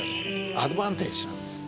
アドバンテージなんです。